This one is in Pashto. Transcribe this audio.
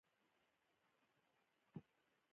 ګمراهان و جاهلان و بې ائينه